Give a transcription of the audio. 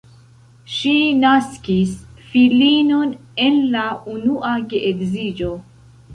Ŝi naskis filinon en la unua geedziĝo.